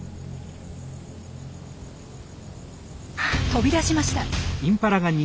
飛び出しました。